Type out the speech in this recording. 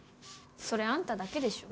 それ、あんただけでしょ。